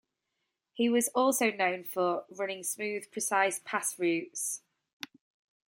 He was also known for running smooth, precise pass routes.